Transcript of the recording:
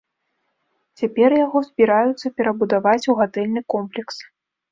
Цяпер яго збіраюцца перабудаваць у гатэльны комплекс.